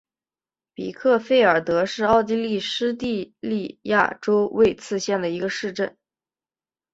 比克费尔德是奥地利施蒂利亚州魏茨县的一个市镇。